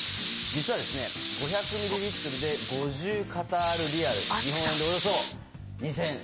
実は、５００ミリリットルで５０カタールリヤル日本円でおよそ２０００円。